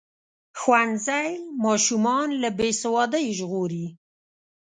ښوونځی ماشومان له بې سوادۍ ژغوري.